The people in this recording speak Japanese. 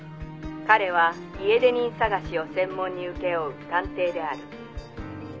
「彼は家出人捜しを専門に請け負う探偵である」